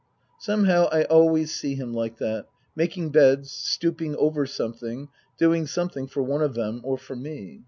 Somehow I always see him like that, making beds, stooping over something, doing something for one of them or for me.